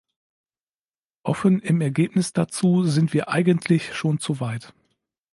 Offen im Ergebnis dazu sind wir eigentlich schon zu weit.